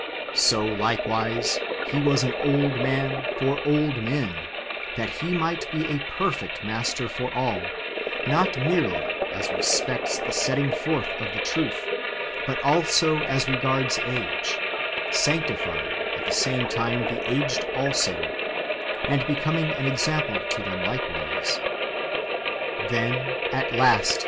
So likewise He was an old man for old men, that He might be a perfect Master for all, not merely as respects the setting forth of the truth, but also as regards age, sanctifying at the same time the aged also, and becoming an example to them likewise. Then, at last.